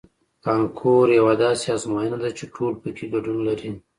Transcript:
کانکور یوه داسې ازموینه ده چې ټول پکې ګډون لري